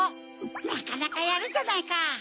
なかなかやるじゃないか。